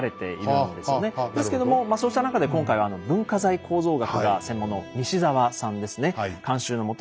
ですけどもそうした中で今回は文化財構造学が専門の西澤さんですね監修のもと